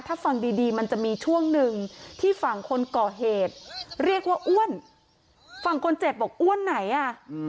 ถ้าฟังดีดีมันจะมีช่วงหนึ่งที่ฝั่งคนก่อเหตุเรียกว่าอ้วนฝั่งคนเจ็บบอกอ้วนไหนอ่ะ